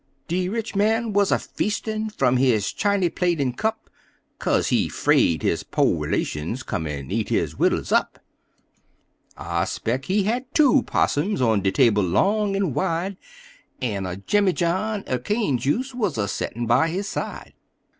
De rich man wuz a feastin' f'um his chiny plate en cup, Kaze he 'fraid his po' relations come en eat his wittles up; I spec' he had two 'possums on de table long en wide, En a jimmyjohn er cane juice wuz a settin' by his side.